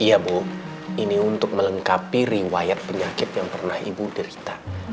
iya bu ini untuk melengkapi riwayat penyakit yang pernah ibu derita